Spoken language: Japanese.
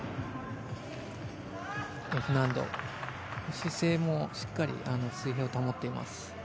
姿勢もしっかり水平を保っています。